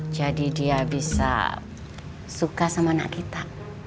jadi dia bisa suka sama anak kita